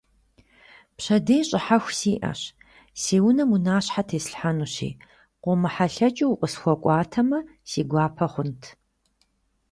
Пщэдей щӀыхьэху сиӀэщ, си унэм унащхьэ теслъхьэнущи, къомыхьэлъэкӀыу укъысхуэкӀуатэмэ, си гуапэ хъунт.